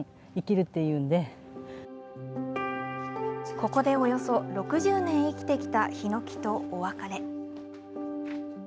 ここでおよそ６０年生きてきたヒノキとお別れ。